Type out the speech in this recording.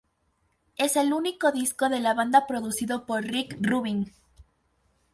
Es el único disco de la banda producido por Rick Rubin.